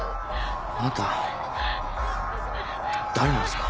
あなた誰なんすか？